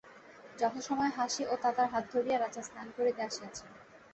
যথাসময়ে হাসি ও তাতার হাত ধরিয়া রাজা স্নান করিতে আসিয়াছেন।